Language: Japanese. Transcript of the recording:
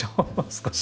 少し。